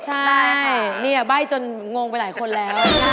ใช่เนี่ยใบ้จนงงไปหลายคนแล้ว